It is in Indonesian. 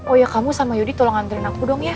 oh ya kamu sama yudi tolong ngantri aku dong ya